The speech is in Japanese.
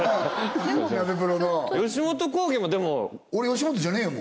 ナベプロの吉本興業もでも俺吉本じゃねえよ